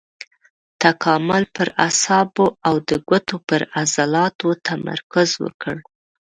تکامل پر اعصابو او د ګوتو پر عضلاتو تمرکز وکړ.